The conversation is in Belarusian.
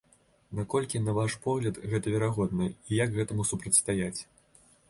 Наколькі, на ваш погляд, гэта верагодна і як гэтаму супрацьстаяць?